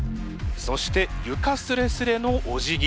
そして床すれすれのお辞儀。